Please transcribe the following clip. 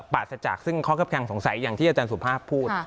ปราศจากซึ่งข้อคับแคงสงสัยอย่างที่อาจารย์สุภาพพูด